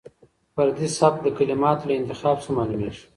فردي سبک د کلماتو له انتخاب څخه معلومېږي.